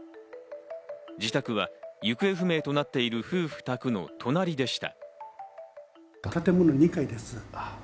自宅は行方不明となっている夫婦宅の隣でした。